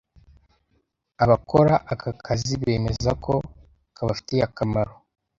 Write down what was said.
abakora aka kazi bemeza ko kabafitiye akamaro